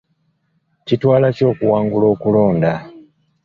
Kitwala ki okuwangula okulonda?